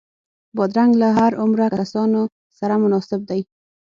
بادرنګ له هر عمره کسانو سره مناسب دی.